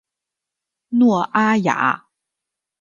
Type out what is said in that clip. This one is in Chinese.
诺阿亚。